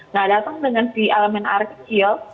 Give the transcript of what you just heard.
nah datang dengan si elemen air kecil